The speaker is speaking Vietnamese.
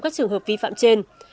các trường hợp vi phạm trên